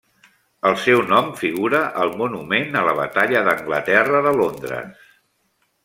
El seu nom figura al Monument a la Batalla d'Anglaterra de Londres.